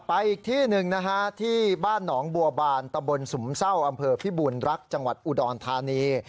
อีกที่หนึ่งนะฮะที่บ้านหนองบัวบานตะบนสุมเศร้าอำเภอพิบูรณรักจังหวัดอุดรธานี